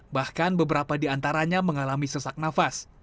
bahkan beberapa di antaranya mengalami sesak nafas